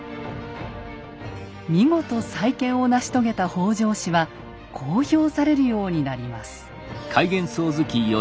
見事再建を成し遂げた北条氏はこう評されるようになります。